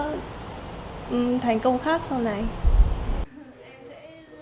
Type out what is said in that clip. nguyễn khánh linh là con út trong một gia đình có hai anh em